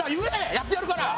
やってやるから！